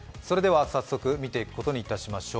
早速見ていくことにいたしましょう。